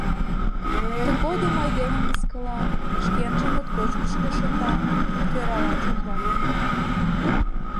Тыгодым айдемым мыскыла, шкенжым моткочак кӱшкӧ шында, тӧралан шотла.